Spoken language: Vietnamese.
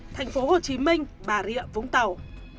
thành phố hồ chí minh bà rịa vũng tàu